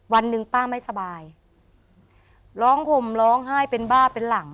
วันหนึ่งป้าไม่สบายร้องห่มร้องไห้เป็นบ้าเป็นหลัง